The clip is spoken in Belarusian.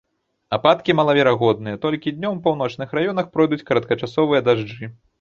Ападкі малаверагодныя, толькі днём у паўночных раёнах пройдуць кароткачасовыя дажджы.